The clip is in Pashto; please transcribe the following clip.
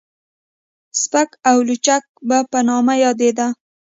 سپک او لچک به په نامه يادېده.